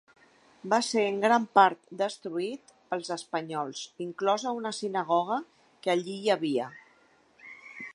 Va ser en gran part destruït pels espanyols, inclosa una sinagoga que allí hi havia.